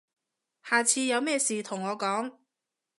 下次有咩事同我講